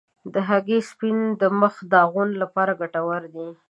د هګۍ سپین د مخ د داغونو لپاره ګټور دی.